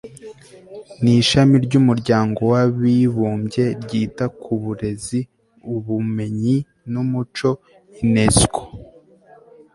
n Ishami ry Umuryango w abibumbye ryita ku burezi ubumenyi n umuco UNESCO